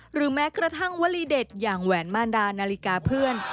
หรือแม้กระทั่งวลีเด็ดอย่างแหวนมารดานาฬิกาเพื่อน